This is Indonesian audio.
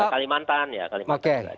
kalimantan ya kalimantan